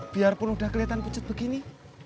biarpun sudah kelihatan pucat begini